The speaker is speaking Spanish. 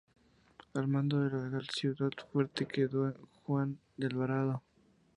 Al mando de la ciudad-fuerte quedó Juan de Alvarado.